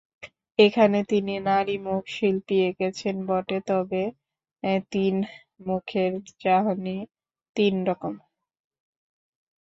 এখানে তিন নারীমুখ শিল্পী এঁকেছেন বটে তবে তিন মুখের চাহনি তিন রকম।